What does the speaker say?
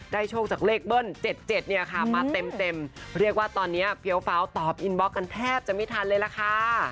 โชคจากเลขเบิ้ล๗๗เนี่ยค่ะมาเต็มเรียกว่าตอนนี้เฟี้ยวฟ้าวตอบอินบล็อกกันแทบจะไม่ทันเลยล่ะค่ะ